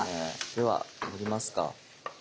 では盛りますか。